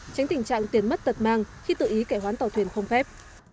tránh tình trạng tiền mất tật mang khi tự ý cải hoán tàu thuyền không phép